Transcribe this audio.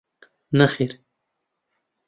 نەخێر.